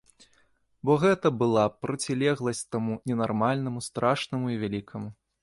Бо гэта была б процілегласць таму ненармальнаму, страшнаму і вялікаму.